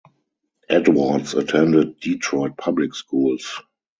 Edwards attended Detroit public schools.